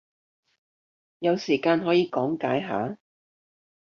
有時間可以講解下？